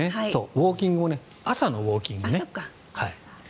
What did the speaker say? ウォーキングも朝のウォーキングね。